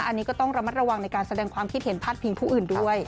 อันนี้ก็ต้องระมัดระวังในการแสดงความคิดเห็นพาดพิงผู้อื่นด้วย